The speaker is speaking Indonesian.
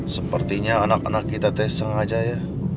sepertinya anak anak kita sengaja ya